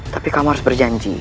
tapi kamu harus berjanji